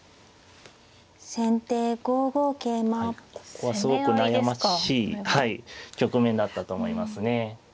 ここはすごく悩ましい局面だったと思いますね。